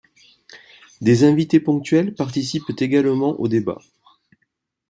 Des invités ponctuels participent également aux débats.